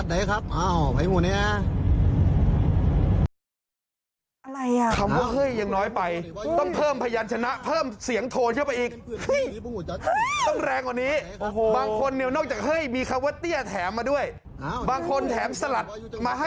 แต่คนบนเป็นเพื่องที่หรือบางอุตจัดอย่างนี่ฮะ